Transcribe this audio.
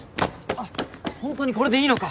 ホントにこれでいいのか？